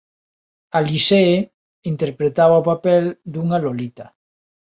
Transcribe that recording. Alizée interpretaba o papel dunha Lolita.